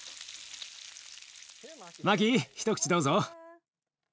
マキ一口どうぞ。